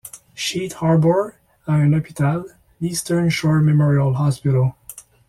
Sheet Harbour a un hôpital, l'Eastern Shore Memorial Hospital.